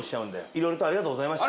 色々とありがとうございました。